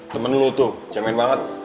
temen lu tuh jamin banget